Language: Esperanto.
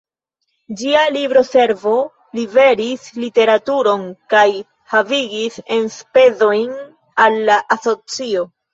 Ĝia Libro-Servo liveris literaturon kaj havigis enspezojn al la asocio.